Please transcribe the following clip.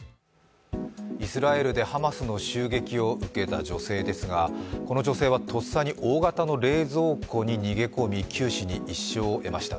イスラエルでハマスの襲撃を受けた女性ですが、この女性はとっさに大型の冷蔵庫に逃げ込み九死に一生を得ました。